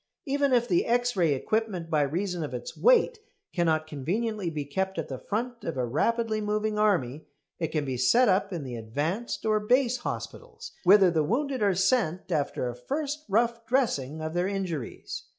Even if the X ray equipment, by reason of its weight, cannot conveniently be kept at the front of a rapidly moving army, it can be set up in the "advanced" or "base" hospitals, whither the wounded are sent after a first rough dressing of their injuries.